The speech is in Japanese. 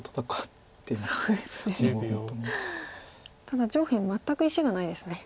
ただ上辺全く石がないですね。